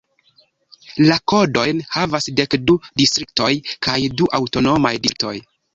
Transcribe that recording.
La kodojn havas dek du distriktoj kaj du aŭtonomaj distriktoj.